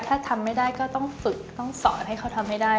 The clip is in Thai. ถ้าทำไม่ได้ก็ต้องฝึกต้องสอนให้เขาทำให้ได้